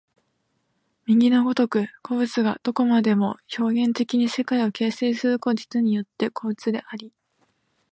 右の如く個物がどこまでも表現的に世界を形成することによって個物であり、